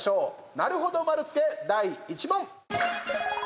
なるほど丸つけ第１問。